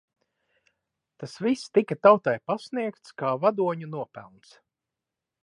Tas viss tika tautai pasniegts kā vadoņu nopelns.